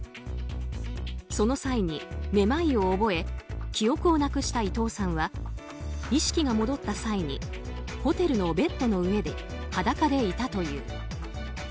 その際に、めまいを覚え記憶をなくした伊藤さんは意識が戻った際にホテルのベッドの上で裸でいたという。